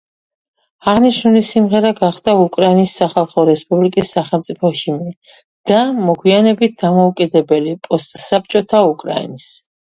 აღნიშნული სიმღერა გახდა უკრაინის სახალხო რესპუბლიკის სახელმწიფო ჰიმნი და მოგვიანებით დამოუკიდებელი პოსტსაბჭოთა უკრაინის.